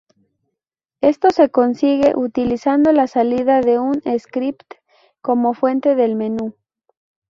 Esto se consigue utilizando la salida de un script como fuente del menú.